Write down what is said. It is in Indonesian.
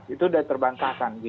itu sudah terbantahkan